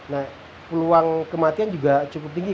nah peluang kematian juga cukup tinggi